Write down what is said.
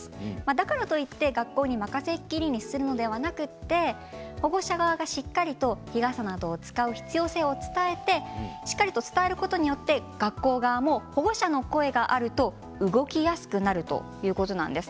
だからといって学校に任せきりにするのではなくて保護者側がしっかりと日傘などを使う必要性を伝えてしっかりと伝えることによって学校側も保護者の声があると動きやすくなるということなんです。